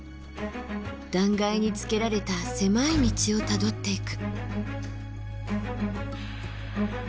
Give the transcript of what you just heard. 断崖につけられた狭い道をたどっていく。